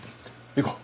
行こう。